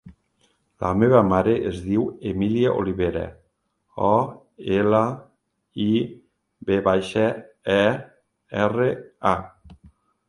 La meva mare es diu Emília Olivera: o, ela, i, ve baixa, e, erra, a.